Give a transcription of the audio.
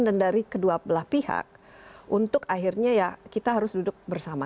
jadi kita harus mencari kedua belah pihak untuk akhirnya ya kita harus duduk bersama